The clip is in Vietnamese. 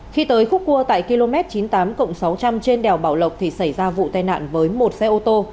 khi tới khúc cua tại km chín mươi tám cộng sáu trăm linh trên đèo bảo lộc thì xảy ra vụ tai nạn với một xe ô tô